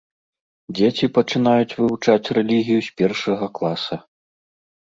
Дзеці пачынаюць вывучаць рэлігію з першага класа.